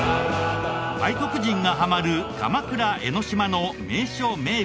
外国人がハマる鎌倉・江の島の名所・名物